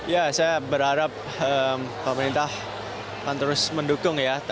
ya saya berharap pemerintah akan terus mendukung ya